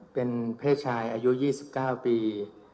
เป็นเพศชายอายุ๒๙ปี